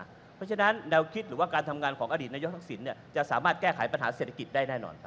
เพราะฉะนั้นแนวคิดหรือว่าการทำงานของอดีตนายกทักษิณจะสามารถแก้ไขปัญหาเศรษฐกิจได้แน่นอนครับ